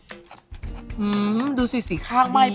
อื้มดูสิสีข้างไหม้ไปหมดละ